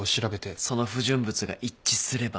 その不純物が一致すれば。